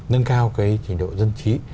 nâng cao cái trình độ dân trí